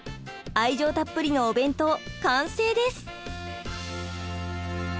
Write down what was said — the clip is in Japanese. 愛情たっぷりのお弁当完成です！